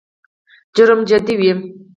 جرم جدي وي.